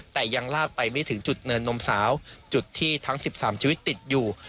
แต่ยังลากไปไม่ถึงจุดเนินนมสาวจุดที่ทั้ง๑๓ชีวิตติดอยู่